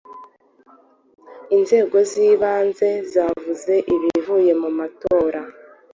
Inzego z’ ibanze zavuze ibyavuye mumatora.